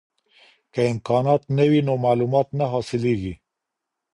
که امکانات نه وي نو معلومات نه حاصلیږي.